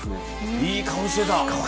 いい顔してた。